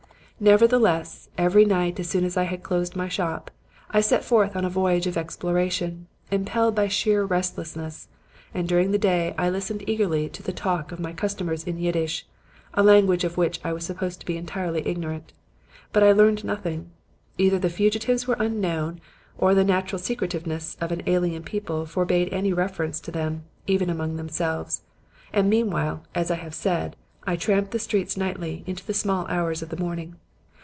"Nevertheless, every night as soon as I had closed my shop, I set forth on a voyage of exploration, impelled by sheer restlessness; and during the day I listened eagerly to the talk of my customers in Yiddish a language of which I was supposed to be entirely ignorant. But I learned nothing. Either the fugitives were unknown, or the natural secretiveness of an alien people forbade any reference to them, even among themselves; and meanwhile, as I have said, I tramped the streets nightly into the small hours of the morning.